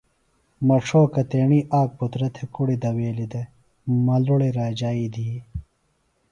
مڇھوکہ تیݨی آک پُترہ تھےۡ کڑیۡ دویلیۡ دےۡ ملُڑی راجائی دِھی